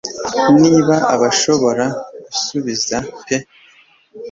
Niba abashobora gusubiza pe